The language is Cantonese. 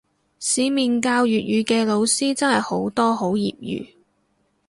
市面教粵語嘅老師真係好多好業餘